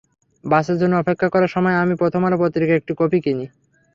বাসের জন্য অপেক্ষা করার সময় আমি প্রথম আলো পত্রিকার একটি কপি কিনি।